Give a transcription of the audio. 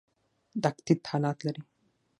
د اکتیت حالت لري.